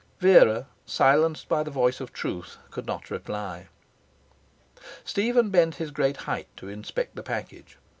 Vera, silenced by the voice of truth, could not reply. Stephen bent his great height to inspect the package.